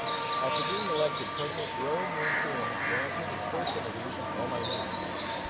After being elected, President Roh Moo-hyun granted his first interview to "OhmyNews".